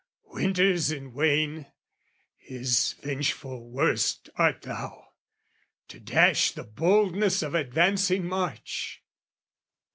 Winter's in wane, his vengeful worst art thou, To dash the boldness of advancing March!